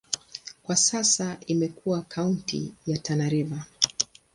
Kwa sasa imekuwa kaunti ya Tana River.